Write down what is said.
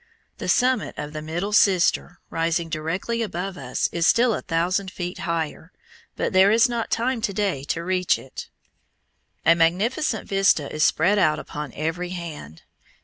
The summit of the middle Sister rising directly above us is still a thousand feet higher, but there is not time to day to reach it. A magnificent vista is spread out upon every hand.